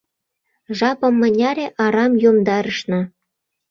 Жапым мыняре арам йомдарышна.